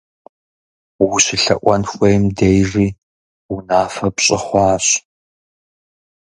УщылъэӀуэн хуейм дежи унафэ пщӀы хъуащ.